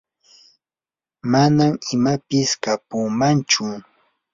manam imapis kapumanchu.